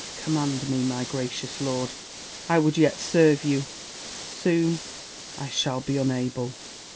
Command me, my gracious lord ! I would yet serve you : soon I shall be unable.